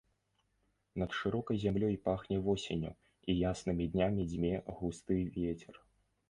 Над шырокай зямлёй пахне восенню, і яснымі днямі дзьме густы вецер.